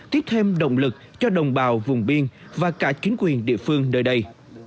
tiếp thêm động lực cho đồng bào vùng biên và cả chính quyền địa phương nơi đây